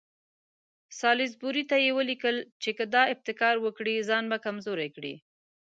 سالیزبوري ته یې ولیکل چې که دا ابتکار وکړي ځان به کمزوری کړي.